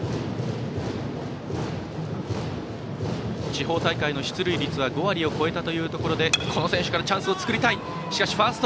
地方大会の出塁率は５割を超えたということでこの選手からチャンスを作りたい。